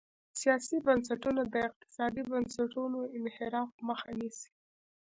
سیاسي بنسټونه د اقتصادي بنسټونو انحراف مخه نیسي.